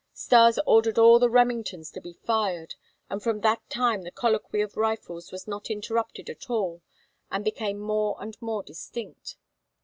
Stas ordered all the Remingtons to be fired, and from that time the colloquy of rifles was not interrupted at all and became more and more distinct.